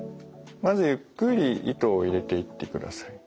まずゆっくり糸を入れていってください。